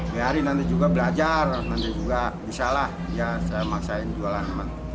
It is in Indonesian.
biarin nanti juga belajar nanti juga bisa lah ya saya maksain jualan